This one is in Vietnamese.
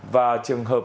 và trường hợp